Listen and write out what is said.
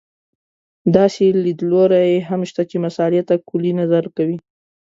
داسې لیدلوري هم شته چې مسألې ته کُلي نظر کوي.